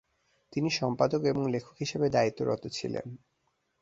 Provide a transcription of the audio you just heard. তিনি সম্পাদক এবং লেখক হিসেবে দায়িত্বরত ছিলেন।